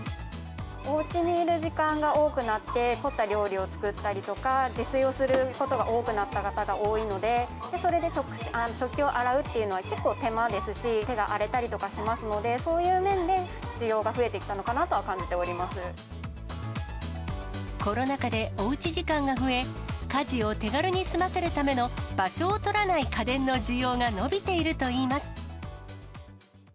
おうちにいる時間が多くなって、凝った料理を作ったりとか、自炊をすることが多くなった方が多いので、それで食器を洗うというのは結構手間ですし、手が荒れたりとかしますので、そういう面で需要が増えてきたのかなとは感じておりまコロナ禍でおうち時間が増え、家事を手軽に済ませるための場所を取らない家電の需要が伸びているといいます。